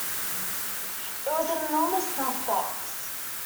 It was an enormous snuff-box.